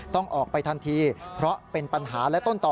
ต้องออกไปทันทีเพราะเป็นปัญหาและต้นต่อ